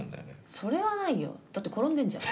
それはないよだって転んでんじゃん。